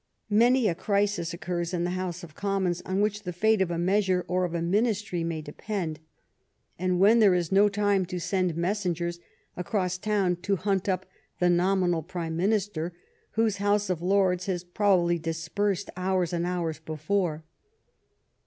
Many a crisis occurs in the House of Commons on which the fate of a measure or of a Ministry may depend, and when there is no time to send messengers across town to hunt up the nominal Prime Minis ter whose House of Lords has probably dispersed hours and hours before.